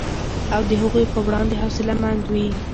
او د هغوی په وړاندې حوصله مند وي